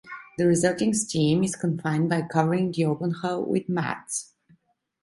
The resulting steam is confined by covering the open hull with mats.